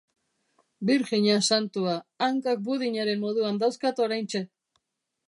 Birjina santua, hankak budinaren moduan dauzkat oraintxe!